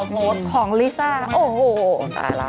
ตอบโพสต์